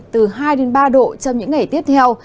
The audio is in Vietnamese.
từ hai đến ba độ trong những ngày tiếp theo